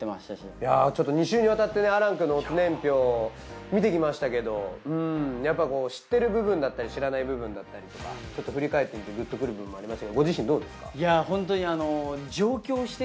いやちょっと２週にわたってね亜嵐くんの乙年表見てきましたけどんやっぱ知ってる部分だったり知らない部分だったりとかちょっと振り返ってみてグッとくる部分もありましたけどご自身どうですか？